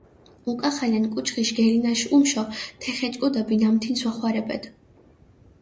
უკახალენ კუჩხიშ გერინაშ უმშო თე ხეჭკუდეფი ნამთინს ვახვარებედჷ.